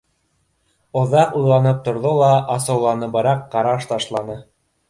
Оҙаҡ уйланып торҙо ла асыуланыбыраҡ ҡараш ташланы.